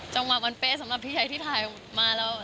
จังหวะมันผลิตสำหรับพี่หญ่ที่ถ่ายมาจ่ะ